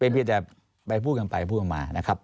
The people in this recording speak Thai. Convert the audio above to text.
เป็นเพียงแต่ไปผู้กันไปผู้กันมานะครับ